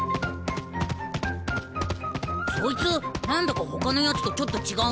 そいつ何だか他のやつとちょっと違うな。